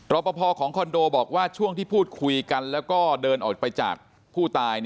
ปภของคอนโดบอกว่าช่วงที่พูดคุยกันแล้วก็เดินออกไปจากผู้ตาย